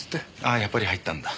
あやっぱり入ったんだ。